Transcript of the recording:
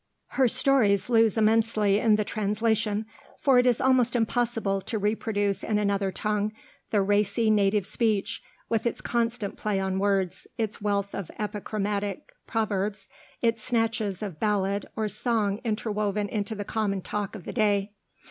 Her stories lose immensely in the translation, for it is almost impossible to reproduce in another tongue the racy native speech, with its constant play on words, its wealth of epigrammatic proverbs, its snatches of ballad or song interwoven into the common talk of the day.